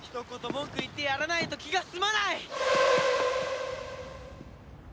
文句言ってやらないと気が済まない！